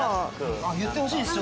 言ってほしいです